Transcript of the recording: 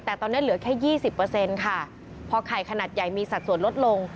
แต่ตอนนี้เหลือแค่ยี่สิบเปอร์เซ็นต์ค่ะพอไข่ขนาดใหญ่มีสัดส่วนลดลง